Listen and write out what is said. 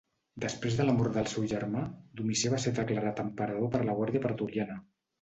Després de la mort del seu germà, Domicià va ser declarat emperador per la Guàrdia Pretoriana.